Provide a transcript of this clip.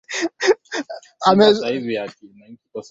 Kiholanzi Nederlands Indië Wakati wa vita kuu